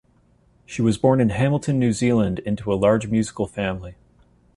She was born in Hamilton, New Zealand into a large musical family.